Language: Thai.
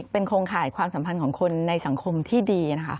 เป็นโครงข่ายความสัมพันธ์ของคนในสังคมที่ดีนะคะ